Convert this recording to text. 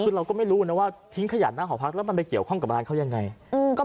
คือเราก็ไม่รู้นะว่าทิ้งขยะหน้าหอพักแล้วมันไปเกี่ยวข้องกับร้านเขายังไง